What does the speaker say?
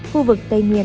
phù vực tây nguyên